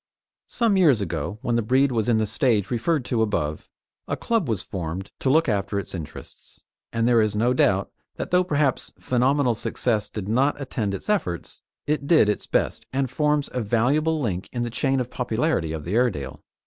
Some years ago, when the breed was in the stage referred to above, a club was formed to look after its interests, and there is no doubt that though perhaps phenomenal success did not attend its efforts, it did its best, and forms a valuable link in the chain of popularity of the Airedale.